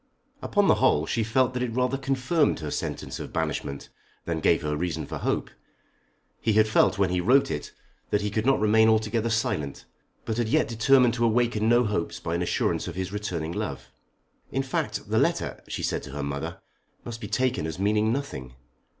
Upon the whole she felt that it rather confirmed her sentence of banishment than gave her reason for hope. He had felt when he wrote it that he could not remain altogether silent, but had yet determined to awaken no hopes by an assurance of his returning love. "In fact, the letter," she said to her mother, "must be taken as meaning nothing.